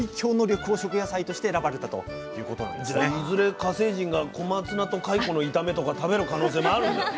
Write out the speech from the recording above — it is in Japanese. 火星人が小松菜とカイコの炒めとか食べる可能性もあるんだ。